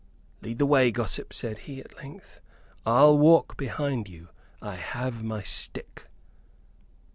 "Lead the way, gossip," said he, at length. "I'll walk behind you. I have my stick."